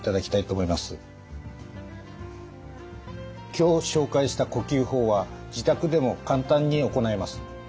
今日紹介した呼吸法は自宅でも簡単に行えます。